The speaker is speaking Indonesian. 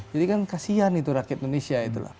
jadi kan kasian itu rakyat indonesia